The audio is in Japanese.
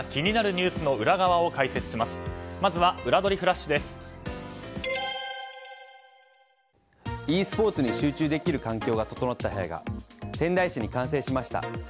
ｅスポーツに集中できる環境が整った部屋が仙台市に完成しました。